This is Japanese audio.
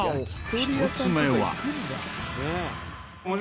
１つ目は。